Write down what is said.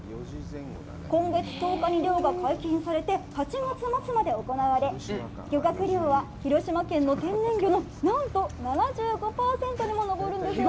今月１０日に漁が解禁されて、８月末まで行われ、漁獲量は広島県の天然魚の何と７５％にも上るんですよ。